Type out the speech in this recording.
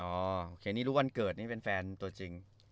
โอเคนี่ลูกวันเกิดนี่เป็นแฟนตัวจริง